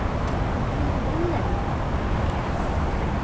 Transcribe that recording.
"What can be done then?" I asked.